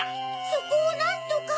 そこをなんとか！